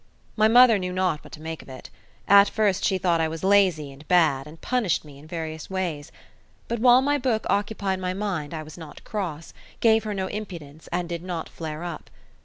My mother knew not what to make of it. At first she thought I was lazy and bad, and punished me in various ways; but while my book occupied my mind I was not cross, gave her no impudence, and did not flare up.